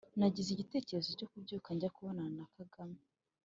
nagize igitekerezo cyo kubyuka njya kubonana na kagame